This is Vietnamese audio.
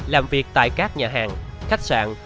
làm việc tại các nhà hàng khách sạn